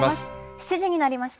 ７時になりました。